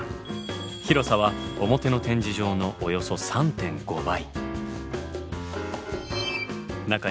広さは表の展示場のおよそ３．５倍。